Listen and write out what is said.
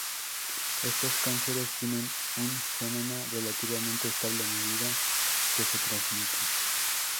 Estos cánceres tienen un genoma relativamente estable a medida que se transmiten.